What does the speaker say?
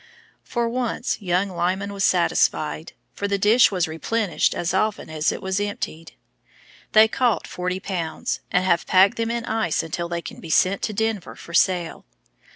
For once young Lyman was satisfied, for the dish was replenished as often as it was emptied. They caught 40 lbs., and have packed them in ice until they can be sent to Denver for sale.